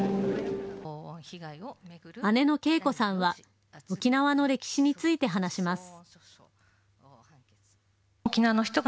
姉の恵子さんは沖縄の歴史について話します。